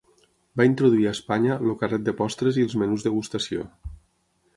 Va introduir a Espanya el carret de postres i els menús degustació.